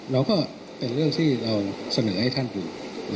เราก็เป็นเรื่องที่เราเสนอให้ท่านอยู่